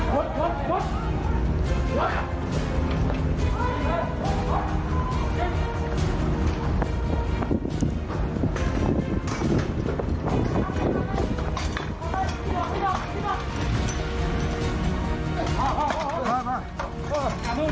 มามามามาอ่ะอ้าวอ้าวอ้าวอ้าวอ้าว